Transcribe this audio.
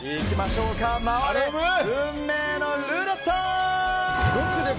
回れ、運命のルーレット！